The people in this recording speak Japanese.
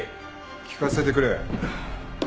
聞かせてくれ。